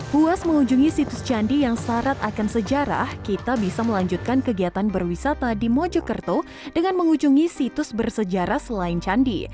puas mengunjungi situs candi yang syarat akan sejarah kita bisa melanjutkan kegiatan berwisata di mojokerto dengan mengunjungi situs bersejarah selain candi